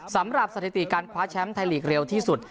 สถิติการคว้าแชมป์ไทยลีกเร็วที่สุด